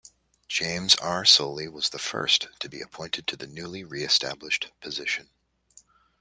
James R. Soley was the first to be appointed to the newly reestablished position.